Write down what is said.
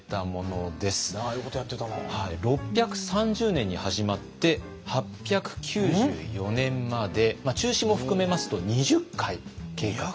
６３０年に始まって８９４年まで中止も含めますと２０回計画されていた。